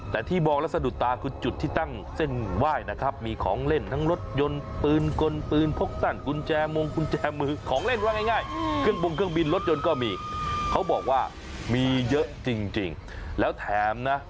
แต่ที่บอกแล้วสะดุดตาคือจุดที่ตั้งเส้นไหว้นะครับ